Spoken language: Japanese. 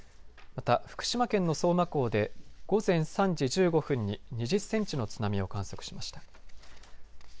また福島県の相馬港で午前３時１５分に２０センチの津波を観測しました。